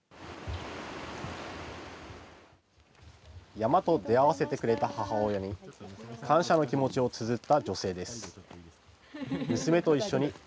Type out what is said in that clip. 山と出会わせてくれた母親に感謝の気持ちをつづった女性です。